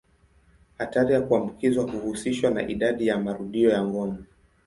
Hatari ya kuambukizwa huhusishwa na idadi ya marudio ya ngono.